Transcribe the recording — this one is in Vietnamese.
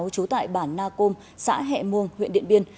trú tại bản na côm xã hẹ muông huyện điện biên